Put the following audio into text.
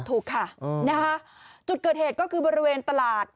ถูกค่ะนะฮะจุดเกิดเหตุก็คือบริเวณตลาด